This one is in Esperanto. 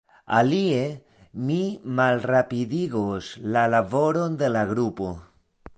Alie, mi malrapidigos la laboron de la grupo.